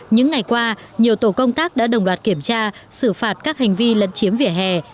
những ngày qua nhiều tổ công tác đã đồng loạt kiểm tra xử phạt các hành vi lấn chiếm vỉa hè